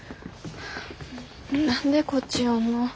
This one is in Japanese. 何でこっち寄んの？